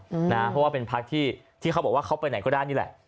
เพราะว่าเป็นพักที่เขาบอกว่าเขาไปไหนก็ได้นี่แหละ